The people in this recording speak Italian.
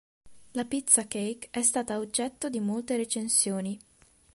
La pizza cake è stata oggetto di molte recensioni.